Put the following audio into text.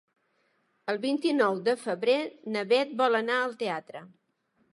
El vint-i-nou de febrer na Beth vol anar al teatre.